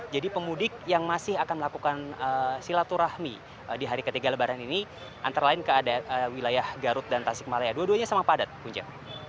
jadi pemudik yang masih akan melakukan silaturahmi di hari ketiga lebaran ini antara lain ke wilayah garut dan tasik malaya